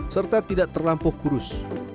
serta tidak terlampau kurus